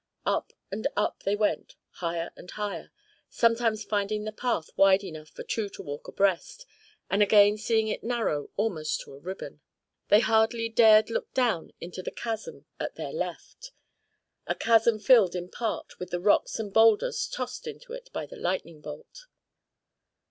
Up and up they went, higher and higher, sometimes finding the path wide enough for two to walk abreast, and again seeing it narrow almost to a ribbon. They hardly dared look down into the chasm at their left a chasm filled, in part, with the rocks and boulders tossed into it by the lightning bolt.